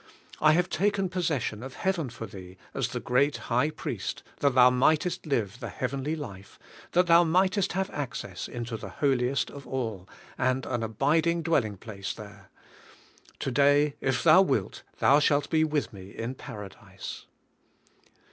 I have taken possession of Heaven for thee, as the Great High Priest, that thou mightest live the Heavenly life, that thou mightest have access into the holiest of all and an abiding dwelling place there. To day, if thou wilt, thou shalt be with me in Paradise."